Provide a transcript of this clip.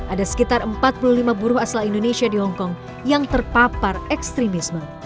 ada sekitar empat puluh lima buruh asal indonesia di hongkong yang terpapar ekstremisme